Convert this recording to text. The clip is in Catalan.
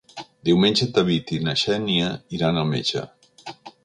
Diumenge en David i na Xènia iran al metge.